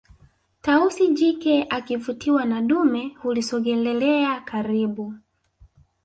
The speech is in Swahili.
tausi jike akivutiwa na dume hulisogelelea karibu